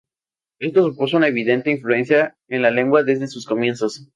Esto supuso una evidente influencia en la lengua desde sus comienzos.